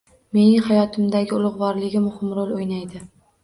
Mening hayotimdagi ulug'vorligi muhim rol o'ynaydi.